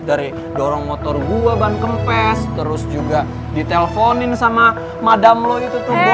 dari dorong motor gue ban kempes terus juga diteleponin sama madam lo itu tuh bos motor